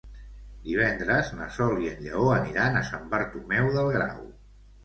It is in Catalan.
Divendres na Sol i en Lleó aniran a Sant Bartomeu del Grau.